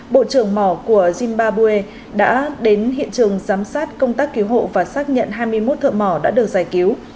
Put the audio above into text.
bộ trưởng mỏ của zimbabwe đã đến hiện trường giám sát công tác cứu hộ và xác nhận hai mươi một thợ mỏ đã được giải cứu